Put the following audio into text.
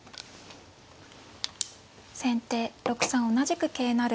先手６三同じく桂成。